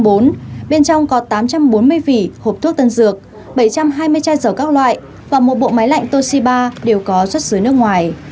bên trong có tám trăm bốn mươi vỉ hộp thuốc tân dược bảy trăm hai mươi chai dầu các loại và một bộ máy lạnh toshiba đều có xuất xứ nước ngoài